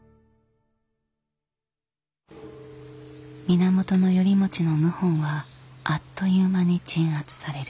源頼茂の謀反はあっという間に鎮圧される。